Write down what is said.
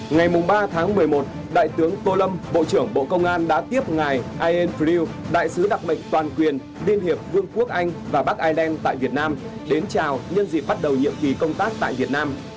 ngày ba tháng một mươi một đại tướng tô lâm bộ trưởng bộ công an đã tiếp ngài ielt friel đại sứ đặc mệnh toàn quyền liên hiệp vương quốc anh và bắc ireland tại việt nam đến chào nhân dịp bắt đầu nhiệm kỳ công tác tại việt nam